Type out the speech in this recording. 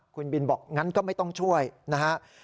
คุณบินบอกงั้นก็ไม่ต้องช่วยนะฮะ